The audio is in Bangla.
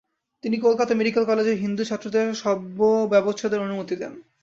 তিনি কলকাতা মেডিকেল কলেজের হিন্দু ছাত্রদের শবব্যবচ্ছেদের অনুমতি দেন।